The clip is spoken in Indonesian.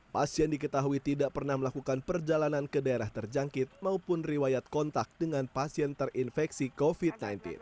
pasien diketahui tidak pernah melakukan perjalanan ke daerah terjangkit maupun riwayat kontak dengan pasien terinfeksi covid sembilan belas